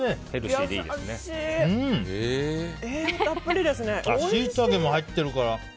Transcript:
シイタケも入ってるから。